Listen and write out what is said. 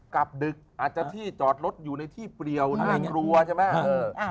กลับดึกอาจจะที่จอดรถอยู่ในที่เปรียวในรัวใช่ไหม